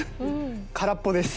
空っぽです